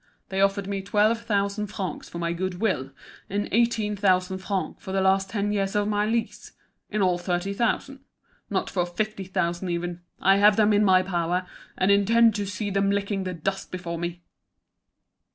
They offered me twelve thousand francs for my good will, and eighteen thousand francs for the last ten years of my lease; in all thirty thousand. Not for fifty thousand even! I have them in my power, and intend to see them licking the dust before me!"